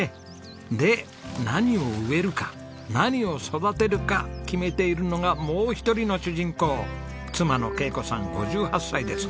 で何を植えるか何を育てるか決めているのがもう一人の主人公妻の恵子さん５８歳です。